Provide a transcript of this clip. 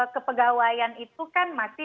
kepegawaian itu kan masih